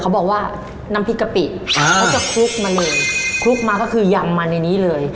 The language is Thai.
บอกว่าน้ำพริกกะปิอ่าเขาจะคลุกมาเลยคลุกมาก็คือยำมาในนี้เลย